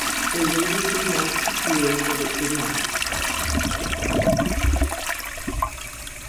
They waited for the ice to clear, but it did not.